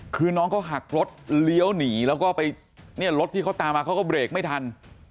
คือน้องเขาหักรถเลี้ยวหนีแล้วก็ไปเนี่ยรถที่เขาตามมาเขาก็เบรกไม่ทัน